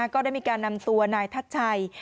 ก็ได้มีการนำตัวนายทัชชัย